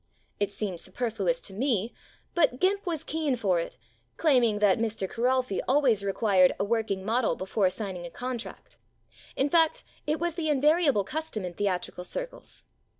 It seemed superfluous to me, but "Gimp" was keen for it, claiming that Mr. Kiralfy always re quired a working model before signing a contract ; in fact, it was the invariable cus tom in theatrical circles.